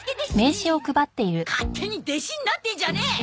勝手に弟子になってんじゃねえ！